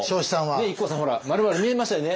ねえＩＫＫＯさんほら「〇〇」見えましたよね？